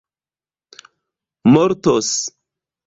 mortos